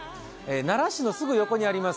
奈良市のすぐ横にあります